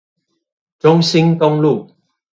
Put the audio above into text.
中興東路